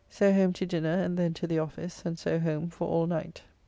So home to dinner and then to the office, and so home for all night.